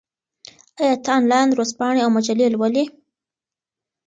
آیا ته انلاین ورځپاڼې او مجلې لولې؟